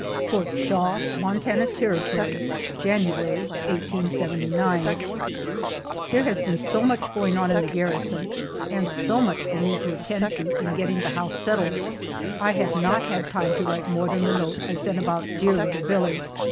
FORT SHAW, MONTANA TERRITORY, January, 1879. THERE has been so much going on in the garrison, and so much for me to attend to in getting the house settled, I have not had time to write more than the note I sent about dear little Billie.